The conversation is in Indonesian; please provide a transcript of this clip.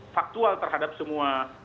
faktual terhadap semua